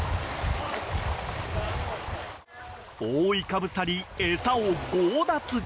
覆いかぶさり、餌を強奪。